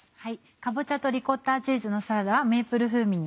「かぼちゃとリコッタチーズのサラダ」はメープル風味に。